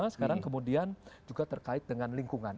sekarang kemudian juga terkait dengan lingkungan